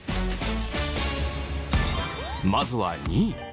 まずは２位。